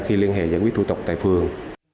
khi liên hệ giải quyết thu tục tại phường